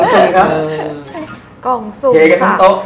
เจกตุ๊ก